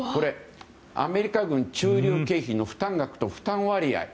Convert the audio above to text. アメリカ軍駐留経費の負担額と負担割合。